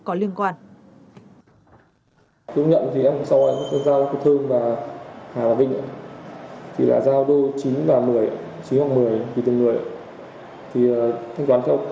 có liên quan